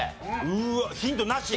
うわっヒントなし？